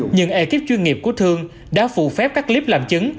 nhưng ekip chuyên nghiệp của thương đã phụ phép các clip làm chứng